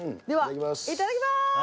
ではいただきます！